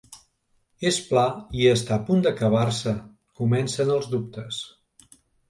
És pla i està a punt d'acabar-se comencen els dubtes.